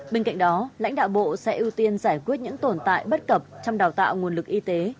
bên cạnh đó lãnh đạo bộ sẽ ưu tiên giải quyết những tồn tại bất cập trong đào tạo nguồn lực y tế